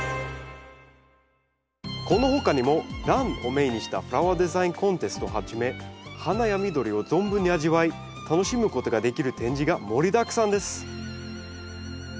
この他にもランをメインにしたフラワーデザインコンテストをはじめ花や緑を存分に味わい楽しむことができる展示が盛りだくさんです